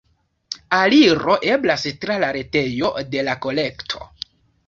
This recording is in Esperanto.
Aliro eblas tra la retejo de la kolekto.